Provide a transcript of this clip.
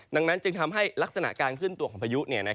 ดังนั้นจึงทำให้ลักษณะการเคลื่อนตัวของพายุ